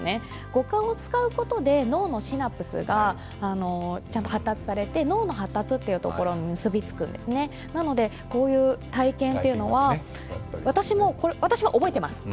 五感を使うことで脳のシナプスがちゃんと発達して、脳の発達というところに結びつくんですね、こういう体験というのは、私は覚えています。